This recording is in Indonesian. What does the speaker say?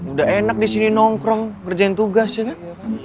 udah enak disini nongkrong kerjain tugas ya kan